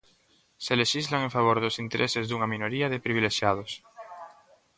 Se lexislan en favor dos intereses dunha minoría de privilexiados.